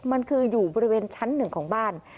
มันคืออยู่บริเวณชั้นหนึ่งของบ้าน